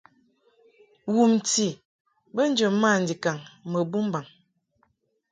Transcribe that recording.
Wumti bə njə mandikaŋ mbo bumbaŋ.